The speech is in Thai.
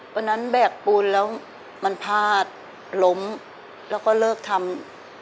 วันนั้นแบกปูนแล้วมันพาดล้มแล้วก็เลิกทำ